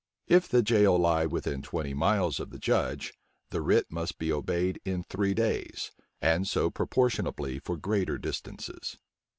If the jail lie within twenty miles of the judge, the writ must be obeyed in three days; and so proportionably for greater distances.